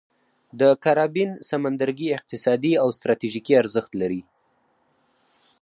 د کارابین سمندرګي اقتصادي او ستراتیژیکي ارزښت لري.